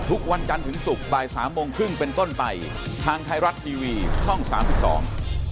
ทุกวันจันทร์ถึงศุกร์บ่ายสามโมงครึ่งเป็นต้นไปทางไทยรัฐทีวีช่องสามสิบสอง